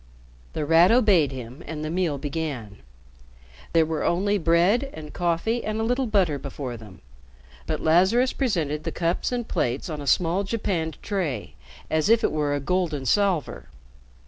The Rat obeyed him and the meal began. There were only bread and coffee and a little butter before them. But Lazarus presented the cups and plates on a small japanned tray as if it were a golden salver.